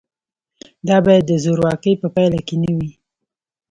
دا باید د زورواکۍ په پایله کې نه وي.